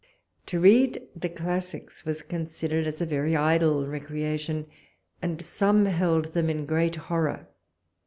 To read the classics was considered as a very idle recreation, and some held them in great horror.